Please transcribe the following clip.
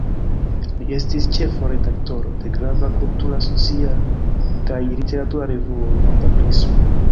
Li estis ĉefo-redaktoro de grava kultura, socia kaj literatura revuo "Norda Prismo".